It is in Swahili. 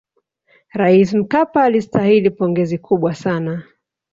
raisi mkapa alistahili pongezi kubwa sana